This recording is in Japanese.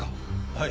はい。